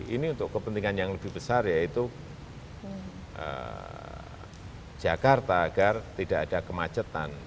ini untuk kepentingan yang lebih besar yaitu jakarta agar tidak ada kemacetan